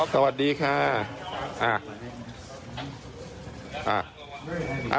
สวัสดีค่ะ